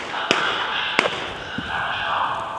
ښه اقتصاد به د هیواد ټولې ستونزې حل کړي.